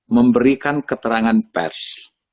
memberikan keterangan pers